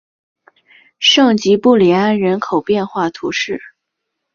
圣吉布里安人口变化图示